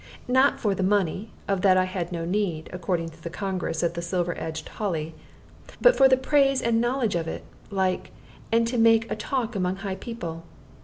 Not for the money, of that I had no need (according to the congress at the "Silver edged Holly"), but for the praise and the knowledge of it, like, and to make a talk among high people.